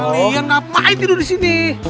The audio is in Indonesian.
kenapa ini tidur disini